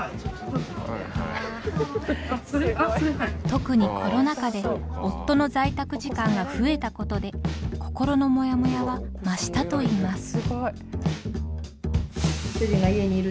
特にコロナ禍で夫の在宅時間が増えたことで心のもやもやは増したといいます。